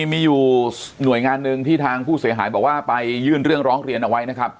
มีอยู่หน่วยงานหนึ่งที่ทางผู้เสียหายบอกว่าไปยื่นเรื่องร้องเรียนเอาไว้นะครับ